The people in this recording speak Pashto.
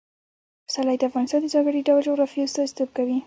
پسرلی د افغانستان د ځانګړي ډول جغرافیه استازیتوب کوي.